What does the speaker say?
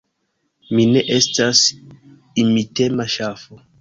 Mi ne estas imitema ŝafo.